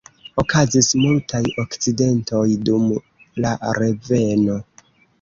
Okazis multaj akcidentoj dum la reveno.